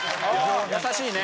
優しいね。